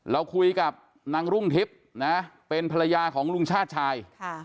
เราคุยกับนางรุ่งทิพย์นะเป็นภรรยาของลุงชาติชาย